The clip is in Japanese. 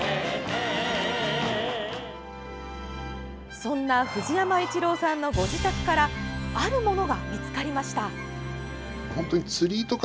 そんな藤山一郎さんのご自宅からあるものが見つかりました。